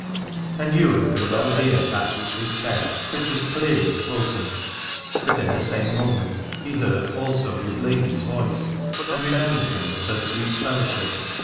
And Ywain could well hear that which was said, for it was clearly spoken : but in the same moment he heard also his lady's voice and remembered him of her sweet fellowship.